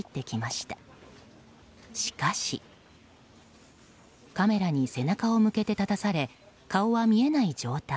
しかしカメラに背中を向けて立たされ顔は見えない状態。